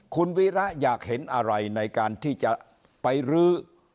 คุณวีระอยากเห็นอะไรในการที่จะไปรื้อ